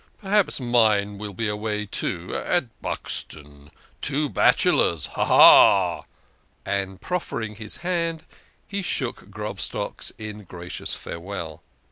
Perhaps mine will be away, too at Buxton. Two bachelors, ha ! ha ! ha !" and, proffer ing his hand, he shook Grobstock's in gracious farewell.